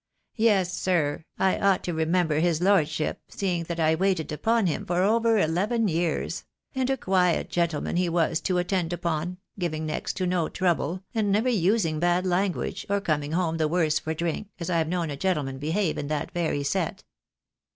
Yes, sir, I ought to remember his lordship, seeing that I waited upon him for over eleven years; and a quiet gentleman he was to attend upon, giving next to no trouble, and never using bad language, or coming home the worse for drink, as I've known a gentleman behave in that very set."